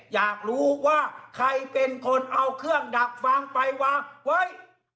อยากรู้ว่าใครเป็นคนเอาเครื่องดักฟังไปวางไว้